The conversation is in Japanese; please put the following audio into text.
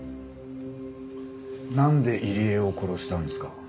なんで入江を殺したんですか？